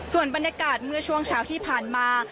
ส่วนบรรยากาศเมื่อช่วงเช้าที่ผ่านมา